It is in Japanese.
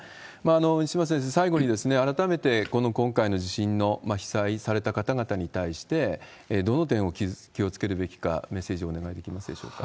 西村先生、すみません、最後に、改めて今回の地震の被災された方々に対して、どの点を気をつけるべきか、メッセージをお願いできますでしょうか？